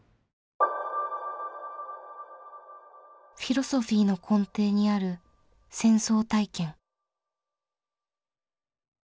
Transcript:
フィロソフィーの根底にある「戦争体験」。